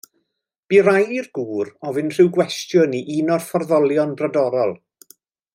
Bu raid i'r gŵr ofyn rhyw gwestiwn i un o'r fforddolion brodorol.